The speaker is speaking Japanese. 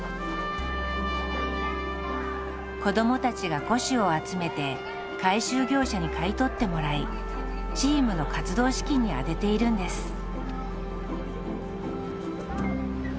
子どもたちが古紙を集めて回収業者に買い取ってもらいチームの活動資金に充てているんです。